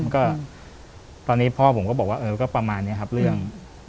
ก็ตอนนี้พ่อผมก็บอกว่าเออก็ประมาณนี้ครับเรื่อง